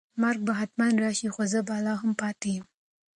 مرګ به حتماً راشي خو زه به لا هم پاتې یم.